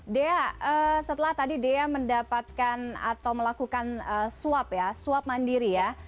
dea setelah tadi dea mendapatkan atau melakukan swab ya swab mandiri ya